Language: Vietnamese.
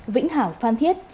vĩnh hảo phan thiết